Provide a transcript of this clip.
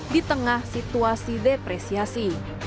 di tengah situasi depresiasi